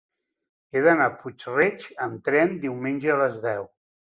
He d'anar a Puig-reig amb tren diumenge a les deu.